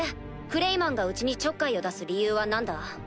クレイマンがうちにちょっかいを出す理由は何だ？